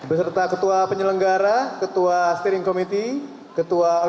untuk berkongsi tentang hal tersebut